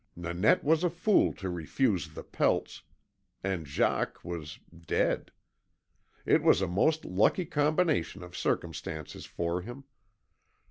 Nanette was a fool to refuse the pelts, and Jacques was dead. It was a most lucky combination of circumstances for him.